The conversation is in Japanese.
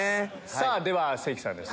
さぁでは関さんです。